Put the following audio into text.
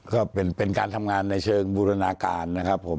ก็เป็นการทำงานในเชิงบูรณาการนะครับผม